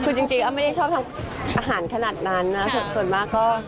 คือจริงอ้ำไม่ได้ชอบทำอาหารขนาดนั้นนะส่วนมากก็